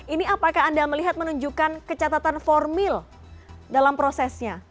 ini apakah anda melihat menunjukkan kecatatan formil dalam prosesnya